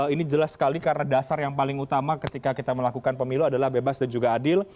ini jelas sekali karena dasar yang paling utama ketika kita melakukan pemilu adalah bebas dan juga adil